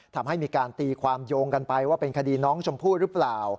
ทำให้มีการตีความโยงกันไปว่าเป็นคดีน้องชมพู่หรือเปล่า